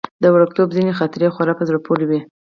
د وړکتوب ځينې خاطرې خورا په زړه پورې وي.